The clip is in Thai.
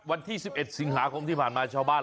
วันที่๑๑สิงหาคมที่ผ่านมาชาวบ้าน